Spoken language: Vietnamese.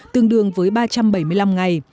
tương đương với ba trăm bảy mươi năm ngày